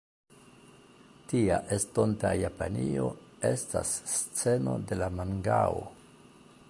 Tia estonta Japanio estas sceno de la mangao.